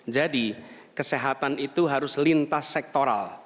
jadi kesehatan itu harus lintas sektoral